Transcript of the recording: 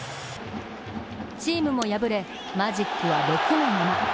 チームも敗れ、マジックは６のまま。